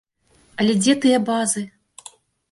Але дзе тыя базы?